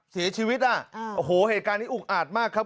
เสียชีวิตอ่ะโอ้โหเหตุการณ์นี้อุกอาจมากครับ